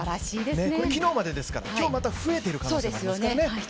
昨日までですから今日、また増えている可能性もあります。